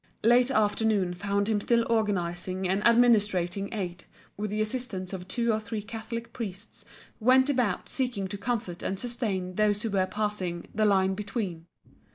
Late afternoon found him still organising and administering aid, with the assistance of two or three Catholic priests who went about seeking to comfort and sustain those who were passing "the line between."